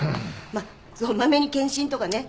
まあまめに健診とかね